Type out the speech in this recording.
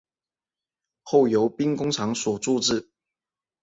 后由兵工厂所铸制。